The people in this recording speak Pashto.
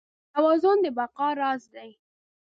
توازن د بقا راز دی.